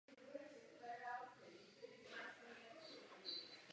Společně s aragonským králem Jakubem se stala na další tři roky regentkou.